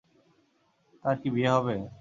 তার কি বিয়ে হবে?